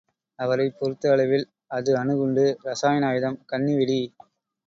அவரைப் பொறுத்த அளவில், அது அணுகுண்டு, ரசாயன ஆயுதம், கண்ணி வெடி.